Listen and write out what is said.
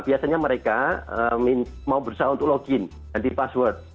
biasanya mereka mau berusaha untuk login ganti password